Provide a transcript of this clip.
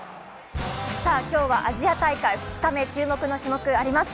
今日はアジア大会２日目、注目の種目、あります。